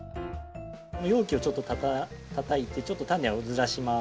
容器をちょっとたたいてちょっとタネをずらします。